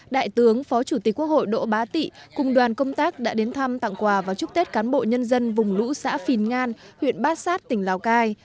đại tướng phó chủ tịch quốc hội đỗ bá tị cùng đoàn công tác đã đến thăm tặng quà và chúc tết cán bộ nhân dân vùng lũ xã phìn ngan huyện bát sát tỉnh lào cai